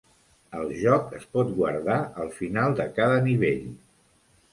El joc es pot guardar al final de cada nivell.